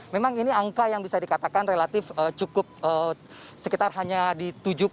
memang ini angka yang bisa dikatakan relatif cukup sekitar hanya di tujuh